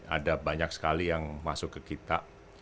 ada banyak sekali yang masuk ke kita